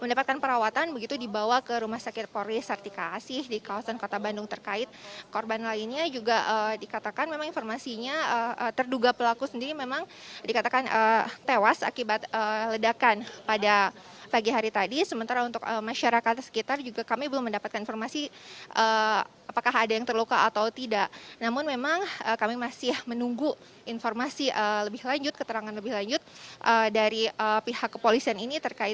mendapatkan perawatan begitu dibawah ke rumah sakit polis artika asih di kawasan kota bandung terkait korban lainnya juga dikatakan memang informasinya terduga pelaku sendiri memang dikatakan tewas akibat ledakan pada pagi hari tadi sementara untuk masyarakat sekitar juga kami belum mendapatkan informasi apakah ada yang terluka atau tidak namun memang kami masih menunggu informasi lebih lanjut keterangan lebih lanjut dari pihak kepolisian ini terkait korban